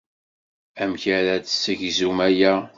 Amek ara d-tessegzum aya?